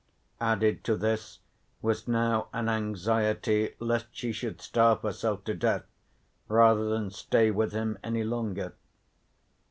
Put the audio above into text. Added to this was now an anxiety lest she should starve herself to death rather than stay with him any longer.